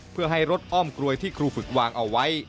เพื่อให้รถอ้อมกลวยที่ครูฝึกวางเอาไว้